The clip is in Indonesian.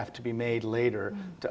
pertama uang yang diambil